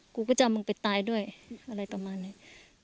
กูก็จะเอามึงไปตายด้วยอะไรประมาณนี้